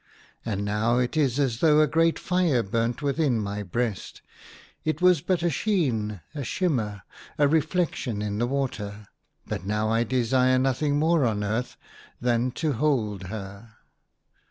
And now it is as though a great fire burnt within my breast. It was but a sheen, a shimmer, a reflection in the water ; but now I desire nothing more on earth than to hold her."